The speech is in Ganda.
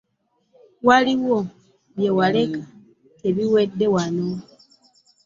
Waliwo bye waleka tebiwedde wano.